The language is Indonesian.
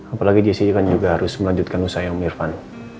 apalagi jessica juga harus melanjutkan usaha yang mirvan